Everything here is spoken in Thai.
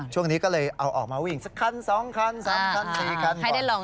ช่วงนี้ก็เลยเอาออกมาวิ่งสักคัน๒คัน๓คัน๔คัน